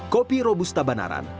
kopi robusta banaran